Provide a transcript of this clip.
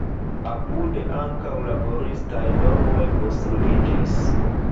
Apude ankaŭ laboristaj domoj konstruiĝis.